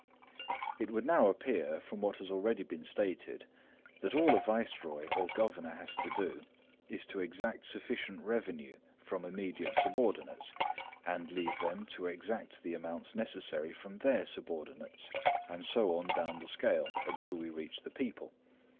It would now appear, from what has been already stated, that all a viceroy or governor has to do is to exact sufficient revenue from immediate subordinates, and leave them to exact the amounts necessary from their subordinates, and so on down the scale until we reach the people.